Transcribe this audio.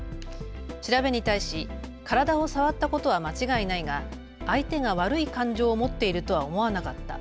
調べに対し、体を触ったことは間違いないが相手が悪い感情を持っているとは思わなかった。